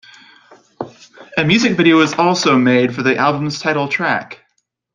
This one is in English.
A music video was also made for the album's title track.